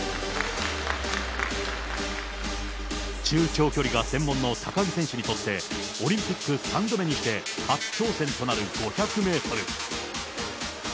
中長距離が専門の高木選手にとって、オリンピック３度目にして、初挑戦となる５００メートル。